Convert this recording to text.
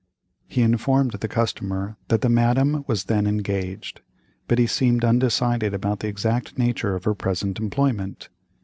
He informed the customer that the Madame was then engaged, but he seemed undecided about the exact nature of her present employment.